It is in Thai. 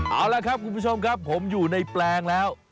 เอาละครับคุณผู้ชมครับผมอยู่ในแปลงแล้ว